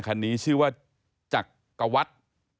ที่นี่ชื่อจักกวัตร